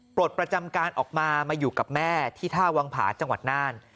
ปลดประจำการออกมามาอยู่กับแม่ที่ท่าวังผาจังหวัดน่าน